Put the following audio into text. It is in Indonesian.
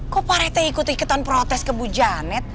kok pak rt ikut ikutan protes ke bu janet